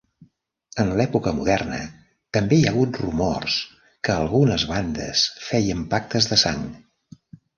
En l'època moderna, també hi ha hagut rumors que algunes bandes feien pactes de sang.